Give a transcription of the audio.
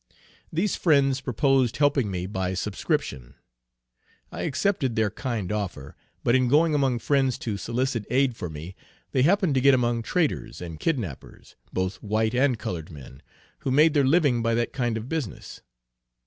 These friends proposed helping me by subscription; I accepted their kind offer, but in going among friends to solicit aid for me, they happened to get among traitors, and kidnappers, both white and colored men, who made their living by that kind of business.